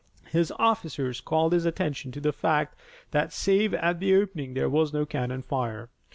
His officers called his attention to the fact that save at the opening there was no cannon fire.